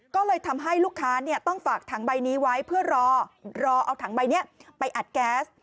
ก็เลยทำให้ลูกค้าต้องฝากถังใบนี้ไว้เพื่อรอรอเอาถังใบนี้ไปอัดแก๊ส